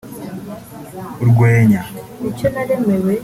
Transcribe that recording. urwenya